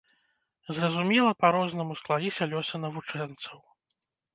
Зразумела, па-рознаму склаліся лёсы навучэнцаў.